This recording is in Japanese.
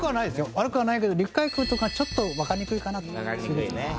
悪くはないけど「陸海空」とかちょっとわかりにくいかな。